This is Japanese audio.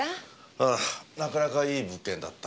ああなかなかいい物件だった。